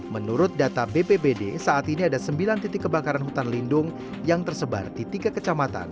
menurut data bpbd saat ini ada sembilan titik kebakaran hutan lindung yang tersebar di tiga kecamatan